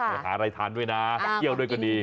หาอะไรทานด้วยนะเที่ยวด้วยก็ดี